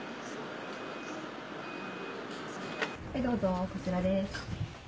どうぞこちらです。